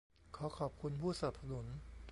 ขอขอบคุณผู้สนับสนุน